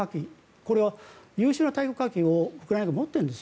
これは優秀な対空火器をウクライナは持っているんです。